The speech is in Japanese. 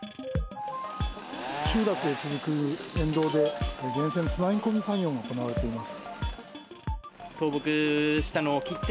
集落へ続く沿道で電線のつなぎ込み作業が行われています。